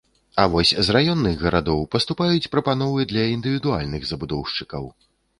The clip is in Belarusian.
А вось з раённых гарадоў паступаюць прапановы для індывідуальных забудоўшчыкаў.